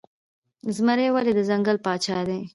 زمری ولې د ځنګل پاچا دی؟